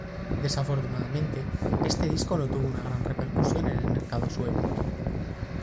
Desafortunadamente, este disco no tuvo una gran repercusión en el mercado sueco.